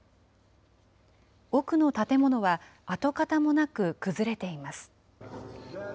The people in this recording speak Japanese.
奥の建物は跡形もなく崩れています。